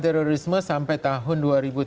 terorisme sampai tahun dua ribu tujuh belas